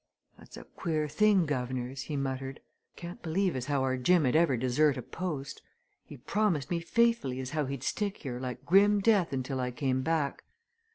"That's a queer thing, guv'nors!" he muttered. "Can't believe as how our Jim 'ud ever desert a post. He promised me faithfully as how he'd stick here like grim death until I came back.